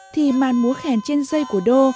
thì màn múa khen trên dây của đô